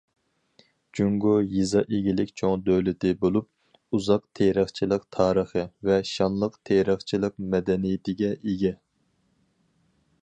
جۇڭگو يېزا ئىگىلىك چوڭ دۆلىتى بولۇپ، ئۇزاق تېرىقچىلىق تارىخى ۋە شانلىق تېرىقچىلىق مەدەنىيىتىگە ئىگە.